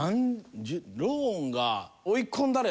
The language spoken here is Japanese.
ローンが「追い込んだれ！」